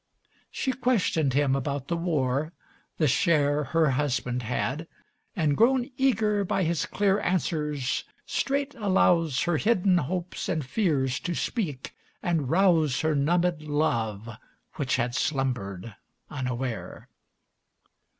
She questioned him about the war, the share Her husband had, and grown Eager by his clear answers, straight allows Her hidden hopes and fears to speak, and rouse Her numbed love, which had slumbered unaware.